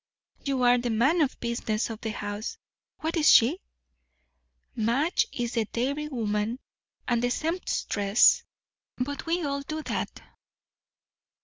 "You are the man of business of the house. What is she?" "Madge is the dairywoman, and the sempstress. But we all do that."